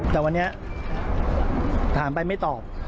แต่วันนี้ถามไปไม่ตอบ